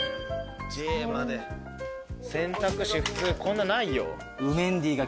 Ｊまで選択肢普通こんなないよ。